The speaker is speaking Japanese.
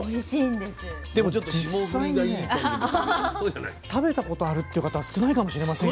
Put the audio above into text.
でも実際にね食べたことあるっていう方は少ないかもしれませんよね。